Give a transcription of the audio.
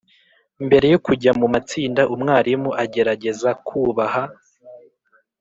Mbere yo kujya mu matsinda umwarimu agerageza kubaha